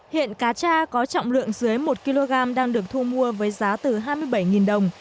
hiện cá cha có trọng lượng dưới một kg đang được thu mua với giá từ hai mươi bảy đồng